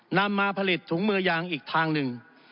นำมาผลิตถุงมือยางอีกทางหนึ่ง